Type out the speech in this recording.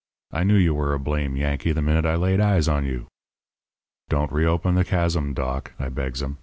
I knew you were a blame Yankee the minute I laid eyes on you.' "'Don't reopen the chasm, Doc,' I begs him.